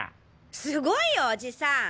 すごいよおじさん！